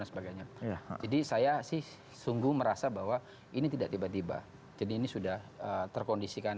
dan sebagainya jadi saya sih sungguh merasa bahwa ini tidak tiba tiba jadi ini sudah terkondisikan